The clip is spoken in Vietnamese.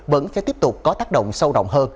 vẫn sẽ tiếp tục có tác động sâu rộng hơn